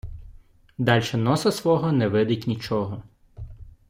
Дальше носа свого не видить нічого.